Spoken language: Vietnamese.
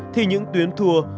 thì những tuyến tour